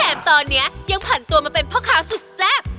ตอนนี้ยังผ่านตัวมาเป็นพ่อค้าสุดแซ่บ